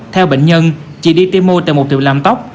theo bệnh nhân chị đi tiêm môi tại mục tiêu làm tóc